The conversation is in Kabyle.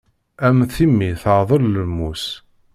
A mm timmi teɛdel s lmus.